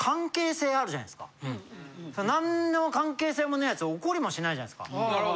何の関係性もないやつ怒りもしないじゃないですか。